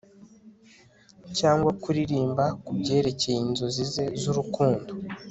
cyangwa kuririmba kubyerekeye inzozi ze z'urukundo